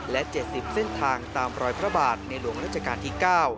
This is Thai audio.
และ๗๐เส้นทางตามรอยพระบาทในหลวงราชการที่๙